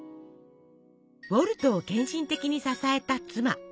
ウォルトを献身的に支えた妻リリアン。